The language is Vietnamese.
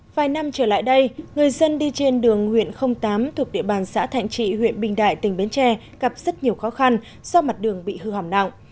vài năm trở lại đây người dân đi trên đường nguyễn tám thuộc địa bàn xã thạnh trị huyện bình đại tỉnh bến tre gặp rất nhiều khó khăn do mặt đường bị hư hỏng nặng